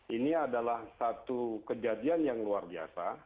ini adalah satu kejadian yang luar biasa